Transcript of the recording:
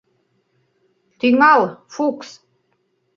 — Тӱҥал, Фукс!